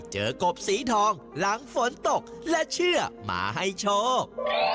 กบสีทองหลังฝนตกและเชื่อมาให้โชค